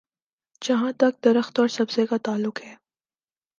جہاں تک درخت اور سبزے کا تعلق ہے۔